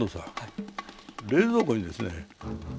冷蔵庫にですね